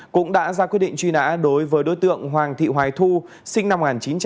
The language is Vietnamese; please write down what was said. cũng đã ra quyết định truy nã đối với đối tượng hoàng thị hoài thu sinh năm một nghìn chín trăm tám mươi